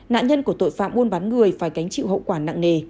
nạn nhân của tội phạm mua bán người phải cánh chịu hậu quả nặng nề